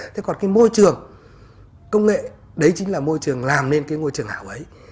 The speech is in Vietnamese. thế còn cái môi trường công nghệ đấy chính là môi trường làm nên cái ngôi trường ảo ấy